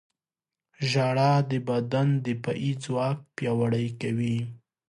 • ژړا د بدن دفاعي ځواک پیاوړی کوي.